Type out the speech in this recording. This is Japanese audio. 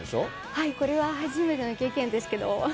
はい、これは初めての経験ですけど。